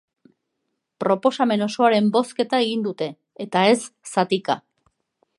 Proposamen osoaren bozketa egin dute, eta ez zatika.